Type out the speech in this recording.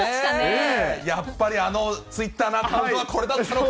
やっぱりあのツイッターのアカウントはこれだったのか。